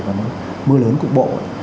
và mưa lớn cục bộ